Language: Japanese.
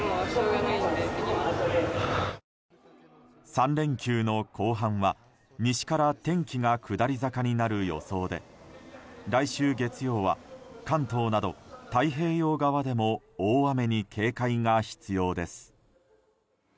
３連休の後半は西から天気が下り坂になる予想で来週月曜は関東など太平洋側でも大雨に警戒が必要です。